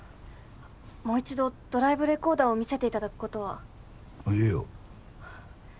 もう一度ドライブレコーダーを見せていただくことは？ええよ。